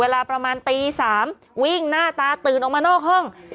เวลาประมาณตี๓วิ่งหน้าตาตื่นออกมานอกห้อง